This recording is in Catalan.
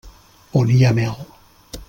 On hi ha mel.